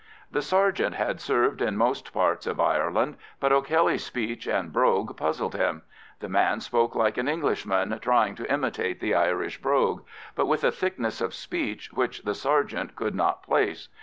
The sergeant had served in most parts of Ireland, but O'Kelly's speech and brogue puzzled him: the man spoke like an Englishman trying to imitate the Irish brogue, but with a thickness of speech which the sergeant could not place.